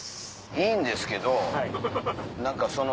いいんですけど何かその。